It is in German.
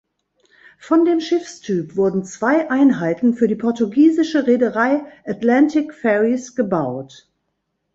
Von dem Schiffstyp wurden zwei Einheiten für die portugiesische Reederei Atlantic Ferries gebaut.